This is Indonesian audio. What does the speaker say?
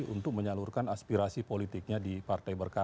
untuk menyalurkan aspirasi politiknya di partai berkarya